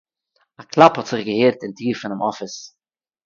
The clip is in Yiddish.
אַ קלאַפּ האָט זיך געהערט אין טיר פונעם אָפיס